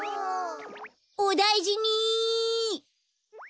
おだいじに。